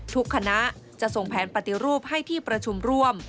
ทุกคณะจะส่งแผนปฏิรูปให้ที่ประชุมร่วม